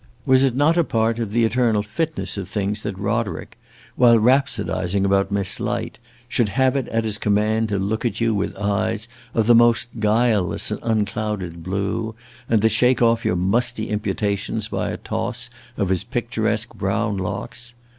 Was it not a part of the eternal fitness of things that Roderick, while rhapsodizing about Miss Light, should have it at his command to look at you with eyes of the most guileless and unclouded blue, and to shake off your musty imputations by a toss of his picturesque brown locks?